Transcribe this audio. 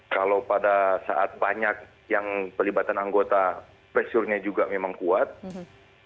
kalau pada saat banyak yang pelibatan anggota pressure nya juga memang kuat